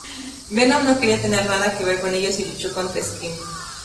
Venom no quería tener nada que ver con ellos, y luchó contra Scream.